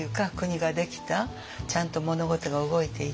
ちゃんと物事が動いていった。